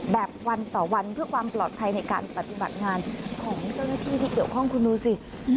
แบบวันต่อวันเพื่อความปลอดภัยในการปฏิบัติงานของเจ้าหน้าที่ที่เกี่ยวข้องคุณดูสิ